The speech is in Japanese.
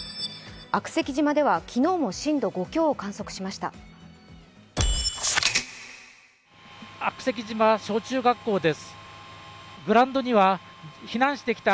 悪石島では昨日も震度５強を観測しました。